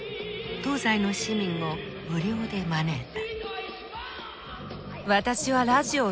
東西の市民を無料で招いた。